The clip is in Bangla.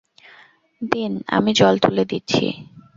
দিন, আমি জল তুলে দিচ্ছি।